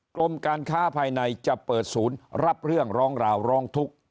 กรมการค้าภายในจะเปิดศูนย์รับเรื่องร้องราวร้องทุกข์